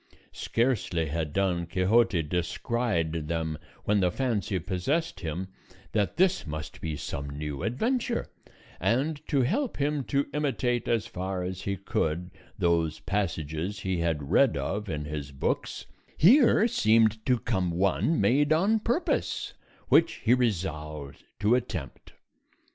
Scarcely had Don Quixote descried them when the fancy possessed him that this must be some new adventure; and to help him to imitate as far as he could those passages he had read of in his books, here seemed to come one made on purpose, which he resolved to attempt.